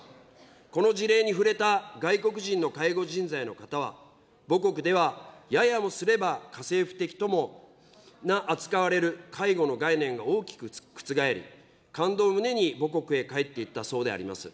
この事例に触れた外国人の介護人材の方は、母国ではややもすれば家政婦的とも扱われる介護の概念が大きく覆り、感動を胸に母国へ帰っていったそうであります。